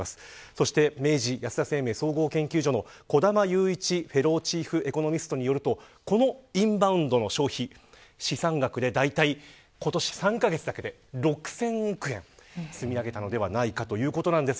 そして明治安田生命総合研究所の小玉祐一フェローチーフエコノミストによりますとこのインバウンドの消費試算額で今年３カ月だけで６０００億円積み上げたのではないかということです。